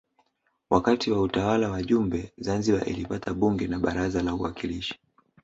Wakati wa utawala wa Jumbe Zanzibar ilipata Bunge na Baraza la Uwakilishi